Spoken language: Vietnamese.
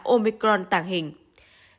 omicron tàng hình